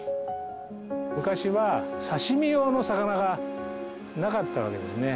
昔は刺し身用の魚がなかったわけですね。